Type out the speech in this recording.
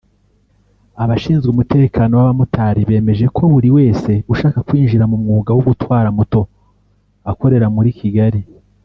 Abashinzwe umutekano w’abamotari bemeje ko buri wese ushaka kwinjira mu mwuga wo gutwara moto akorera muri Kigali